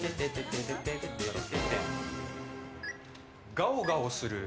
ガオガオする！